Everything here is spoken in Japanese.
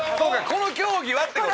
この競技はって事？